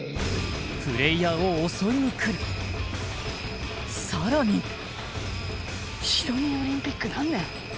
プレイヤーを襲いに来るさらにシドニーオリンピック何年？